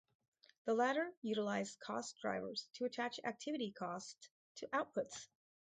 The latter utilize cost drivers to attach activity costs to outputs.